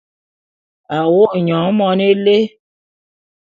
A wo’o nyon mone élé.